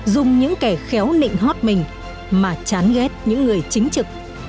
dùng những kẻ khéo nịnh hót mình mà chán ghét những người chính trực